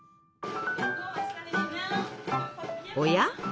おや？